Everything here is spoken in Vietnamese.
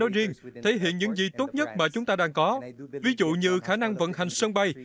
nói riêng thể hiện những gì tốt nhất mà chúng ta đang có ví dụ như khả năng vận hành sân bay